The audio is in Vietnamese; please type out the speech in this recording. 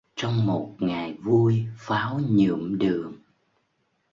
Trong một ngày vui pháo nhuộm đường